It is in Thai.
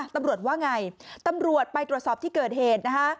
ตำรวจว่าไงตำรวจไปตรวจสอบที่เกิดเหตุนะคะ